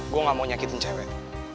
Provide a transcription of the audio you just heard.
gue gak mau nyakitin cewek